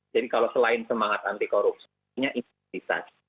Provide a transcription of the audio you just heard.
jadi kalau selain semangat anti korupsi punya integritas